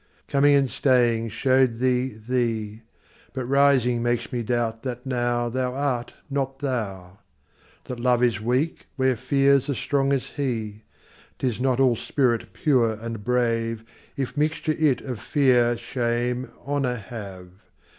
Coming and staying show'd thee thee; But rising makes me doubt that nowThou art not thou. That Love is weak where Fear's as strong as he;'Tis not all spirit pure and brave, If mixture it of Fear, Shame, Honour have.